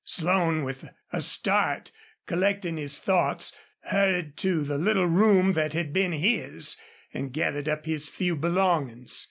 Slone, with a start collecting his thoughts, hurried into the little room that had been his and gathered up his few belongings.